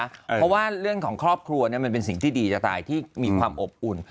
เพราะว่าเรื่องของครอบครัวมันเป็นสิ่งที่ดีจะตายที่มีความอบอุ่น